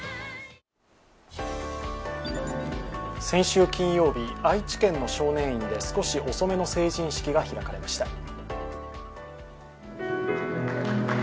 先週金曜日、愛知県の少年院で少し遅めの成人式が開かれました。